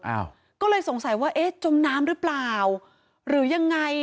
อ้าวก็เลยสงสัยว่าเอ๊ะจมน้ำหรือเปล่าหรือยังไง